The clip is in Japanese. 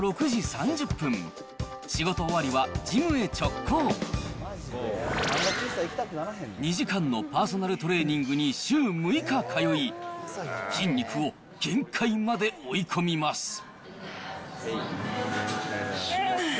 ２時間のパーソナルトレーニングに週６日通い、筋肉を限界まで追い込みます。